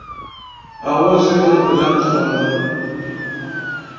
آوازی را بلند خواندن